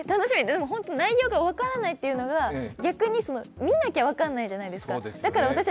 内容が分からないというのが、逆に見なきゃ分からないじゃないですか。